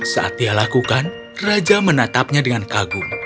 saat dia lakukan raja menatapnya dengan kagum